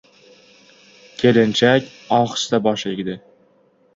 Kelinchak ohista bosh egdi.